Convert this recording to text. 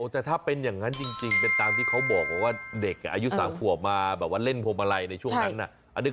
แต่ถ้าเป็นอย่างงั้นจริงเป็นตามที่เขาบอกเลยว่าเด็กอายุ๓หัวแล้วเร่งพละมะไลในช่วงนั้นน่ะ